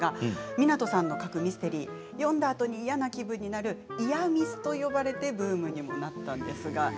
湊さんの書くミステリーは読んだあとに嫌な気分になるイヤミスと呼ばれてブームになったんです。